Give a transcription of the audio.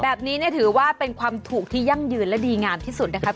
แบบนี้เนี่ยถือว่าเป็นความถูกที่ยั่งยืนและดีงามที่สุดนะคะ